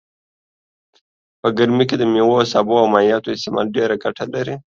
په ګرمي کي دميوو سابو او مايعاتو استعمال ډيره ګټه لرئ